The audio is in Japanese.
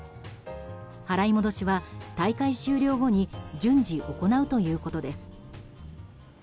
払い戻しは大会終了後に順次行うということです。